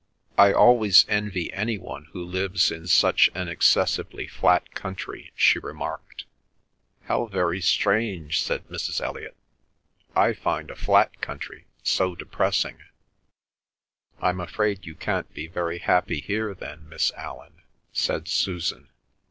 "I always envy any one who lives in such an excessively flat country," she remarked. "How very strange!" said Mrs. Elliot. "I find a flat country so depressing." "I'm afraid you can't be very happy here then, Miss Allan," said Susan.